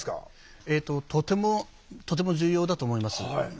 えっととても重要だと思います。